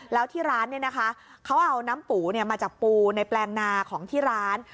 แล้วที่ร้านเนี่ยนะคะเขาเอาน้ำปูมาจากปูในแปลงนาของที่ร้าน